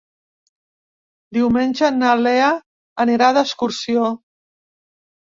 Diumenge na Lea anirà d'excursió.